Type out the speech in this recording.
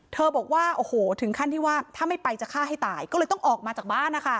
บอกว่าโอ้โหถึงขั้นที่ว่าถ้าไม่ไปจะฆ่าให้ตายก็เลยต้องออกมาจากบ้านนะคะ